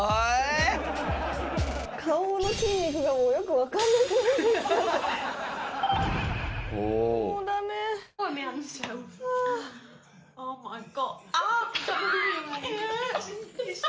顔の筋肉がもうよく分かんなくなってきた。